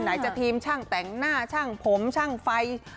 ไหนจะทีมช่างแต่งหน้าช่างผมช่างไฟ